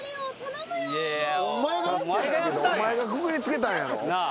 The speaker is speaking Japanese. お前がくくりつけたんやろ。